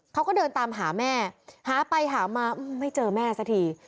เขาก็เดินตามหาแม่หาไปหามาไม่เจอแม่สักที